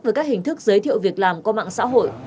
với các hình thức giới thiệu việc làm qua mạng xã hội